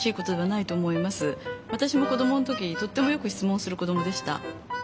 わたしも子どもの時とってもよく質問する子どもでした。